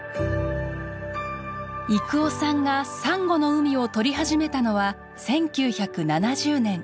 征夫さんがサンゴの海を撮り始めたのは１９７０年。